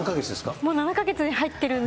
もう７か月に入ってるんで。